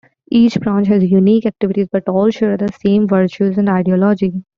Each branch has unique activities but all share the same virtues and ideology.